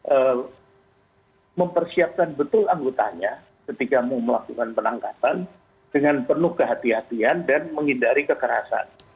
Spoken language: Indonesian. saya mempersiapkan betul anggotanya ketika mau melakukan penangkapan dengan penuh kehatian kehatian dan menghindari kekerasan